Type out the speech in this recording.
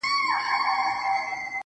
اوس مي د زړه قلم ليكل نه كوي.